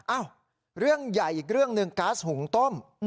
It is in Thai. อ้าวเรื่องใหญ่อีกเรื่องหนึ่งก๊าซหุงต้ม